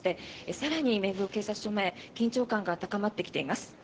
更に目黒警察署緊張感が高まってきています。